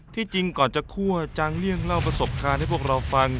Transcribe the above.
จริงก่อนจะคั่วจังเลี่ยงเล่าประสบการณ์ให้พวกเราฟัง